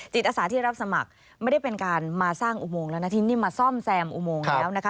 จิตอสาที่รับสมัครไม่ได้เป็นการมาสร้างอุโมงแล้วนะ